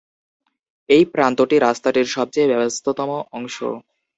এই প্রান্তটি রাস্তাটির সবচেয়ে ব্যস্ততম অংশ।